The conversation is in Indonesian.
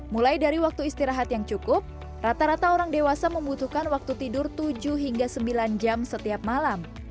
mulai dari waktu istirahat yang cukup rata rata orang dewasa membutuhkan waktu tidur tujuh hingga sembilan jam setiap malam